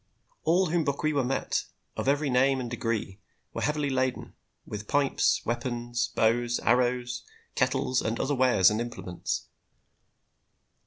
All whom Bokwewa met, of every name and degree, were heavily laden with pipes, weapons, bows, arrows, kettles and other wares and implements.